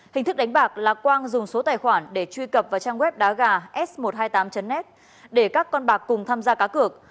hình thức đánh bạc là quang dùng số tài khoản để truy cập vào trang web đá gà s một trăm hai mươi tám net để các con bạc cùng tham gia cá cược